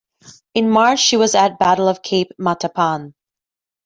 In March she was at Battle of Cape Matapan.